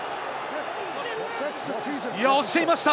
押していました。